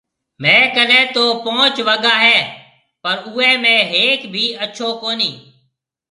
ميه ڪنَي تو پونچ وگا هيَ پر اوَي ۾ هيَڪ بي اڇو ڪونَي۔